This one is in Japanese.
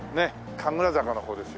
神楽坂の方ですよ。